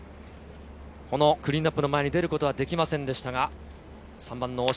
クリーンナップの前に出ることはできませんでしたが、３番の大島。